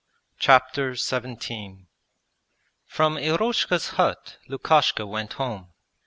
Chapter XVII From Eroshka's hut Lukashka went home.